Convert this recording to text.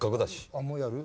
ああもうやる？